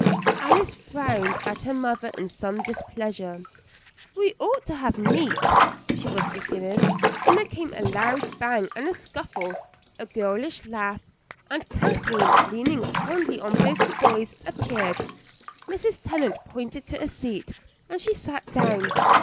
Alice frowned at her mother in some displeasure. "We ought to have meat " she was beginning, when there came a bang and a scuffle, a girlish laugh, and Kathleen, leaning fondly on both the boys, appeared. Mrs. Tennant pointed to a seat, and she sat down.